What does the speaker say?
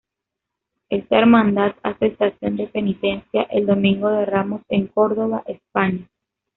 Esta hermandad hace estación de Penitencia el Domingo de Ramos en Córdoba, España.